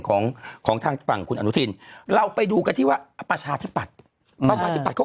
ของของทางฝั่งคุณอนุทินเราไปดูกันที่ว่าประชาธิบัติเขา